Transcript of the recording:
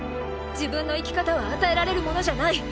自分の生き方は与えられるものじゃない！